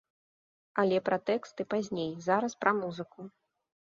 Але пра тэксты пазней, зараз пра музыку.